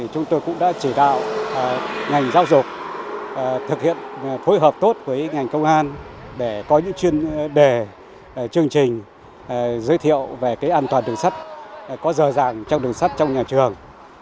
chúng tôi cũng đã chỉ đạo ngành giáo dục thực hiện phối hợp tốt với ngành công an để có những chuyên đề chương trình giới thiệu về an toàn đường sắt có dờ dạng trong đường sắt trong nhà trường